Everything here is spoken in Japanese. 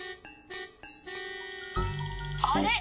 あれ？